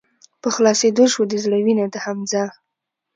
په خلاصيدو شــوه د زړه وينه حمزه